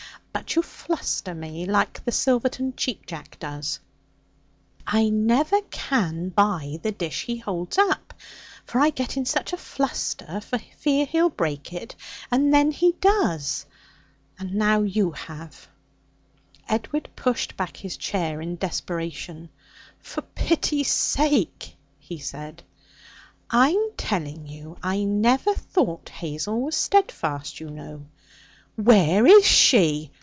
But you fluster me like the Silverton Cheap jack does; I never can buy the dish he holds up, for I get in such a fluster for fear he'll break it, and then he does. And now you have.' Edward pushed back his chair in desperation. 'For pity's sake!' he said. 'I'm telling you. I never thought Hazel was steadfast, you know.' 'Where is she?